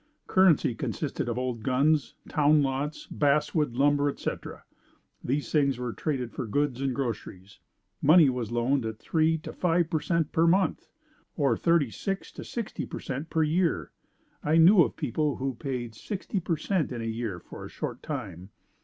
Currency consisted of old guns, town lots, basswood lumber, etc. These things were traded for goods and groceries. Money was loaned at three to five per cent per month, or thirty six to sixty per cent per year. I knew of people who paid sixty per cent a year for a short time.